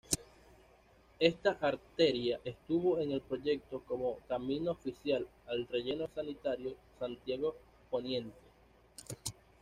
Esta arteria estuvo en el proyecto como camino oficial al relleno sanitario Santiago poniente.